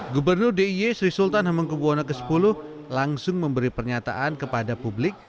gubernur diy sri sultan hemengkubwono x langsung memberi pernyataan kepada publik